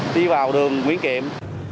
đi vào đường nguyễn kiệm